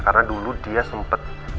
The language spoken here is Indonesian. karena dulu dia sempet